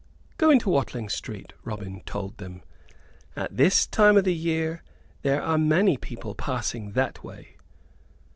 "Go into Watling Street," Robin told them. "At this time o' th' year there are many people passing that way."